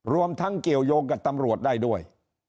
รวมทั้งเกี่ยวยงกับตำรวจได้ด้วย